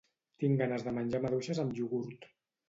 Tinc ganes de menjar maduixes amb iogurt